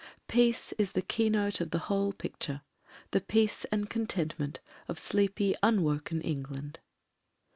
Peace is the keynote of the whole picture — ^the peace and contentment of sleepy unwoken England.